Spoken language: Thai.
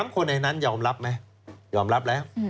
๓คนในนั้นยอมรับไหมยอมรับแล้ว